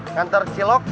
ngantor cilok buat kamu